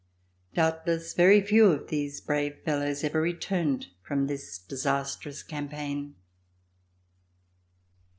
Doubtless very few of these brave fellows ever re turned from this disastrous campaign.